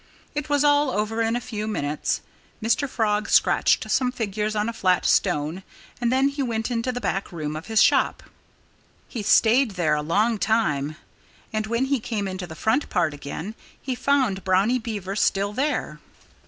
It was all over in a few minutes. Mr. Frog scratched some figures on a flat stone. And then he went into the back room of his shop. He stayed there a long time. And when he came into the front part again he found Brownie Beaver still there.